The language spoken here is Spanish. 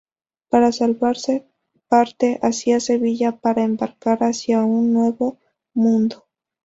Para salvarse, parte hacia Sevilla para embarcar hacia el Nuevo Mundo.